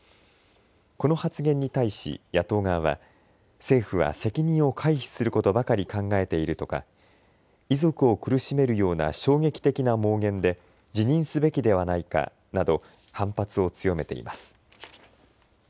この発言に対し野党側は、政府は責任を回避することばかり考えているとか、遺族を苦しめるような衝撃的な妄言で辞任すべきではないかなど反発を強めています。